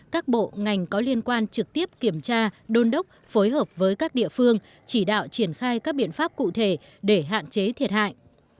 các bộ ngành có liên quan trực tiếp kiểm tra đôn đốc phối hợp với các địa phương chỉ đạo triển khai các biện pháp cụ thể để hạn chế thiệt hại